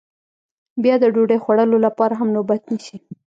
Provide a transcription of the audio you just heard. بیا د ډوډۍ خوړلو لپاره هم نوبت نیسي